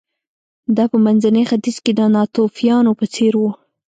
دا په منځني ختیځ کې د ناتوفیانو په څېر و